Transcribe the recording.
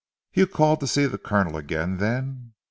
"You called to see the Colonel again then?"